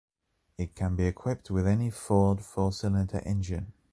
It can be equipped with any Ford four-cylinder engine.